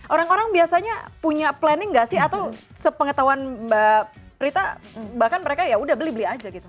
orang orang biasanya punya planning nggak sih atau sepengetahuan mbak prita bahkan mereka ya udah beli beli aja gitu